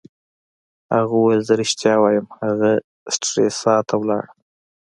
هغه وویل: زه ریښتیا وایم، هغه سټریسا ته ولاړه.